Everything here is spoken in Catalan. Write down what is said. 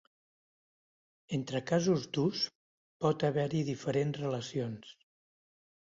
Entre casos d'ús pot haver-hi diferents relacions.